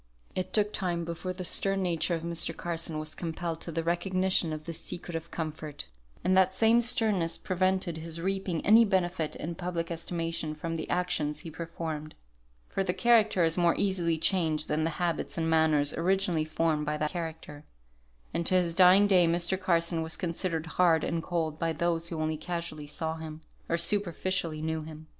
It took time before the stern nature of Mr. Carson was compelled to the recognition of this secret of comfort, and that same sternness prevented his reaping any benefit in public estimation from the actions he performed; for the character is more easily changed than the habits and manners originally formed by that character, and to his dying day Mr. Carson was considered hard and cold by those who only casually saw him, or superficially knew him.